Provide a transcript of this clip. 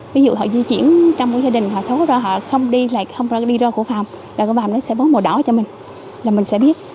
ví dụ họ di chuyển trong một gia đình họ thấu ra họ không đi lại không có đi ra khu phòng là khu phòng nó sẽ bớt màu đỏ cho mình là mình sẽ biết